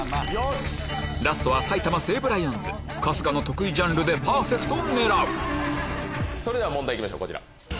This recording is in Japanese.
ラストは「埼玉西武ライオンズ」春日の得意ジャンルでパーフェクトを狙うそれでは問題行きましょう。